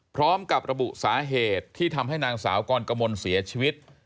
พร้อมกับระบุสาเหตุที่ทำให้นางสาวกรกมลเสียชีวิต